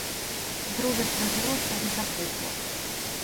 Друге сльозилося і запухло.